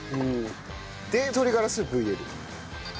で鶏がらスープを入れる。